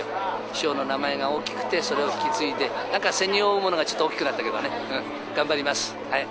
師匠の名前が大きくて、それを引き継いで、なんか背に負うものがちょっと大きくなったけどね、頑張ります。